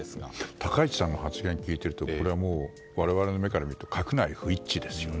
高市さんの発言を聞いていると我々の目から見ると閣内不一致ですよね。